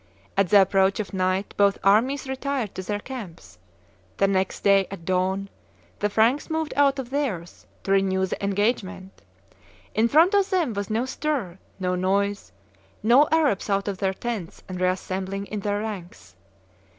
At the approach of night both armies retired to their camps. The next day, at dawn, the Franks moved out of theirs, to renew the engagement. In front of them was no stir, no noise, no Arabs out of their tents and reassembling in their ranks.